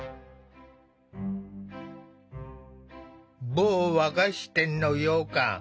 某和菓子店のようかん。